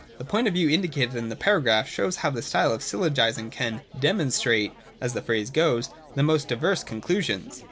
The point of view indicated in the paragraph shows how this style of syllogism can ' demonstrate ' (as the phrase goes) the most diverse conclusions.